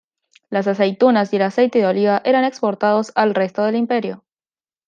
Las aceitunas y el aceite de oliva eran exportados al resto del imperio.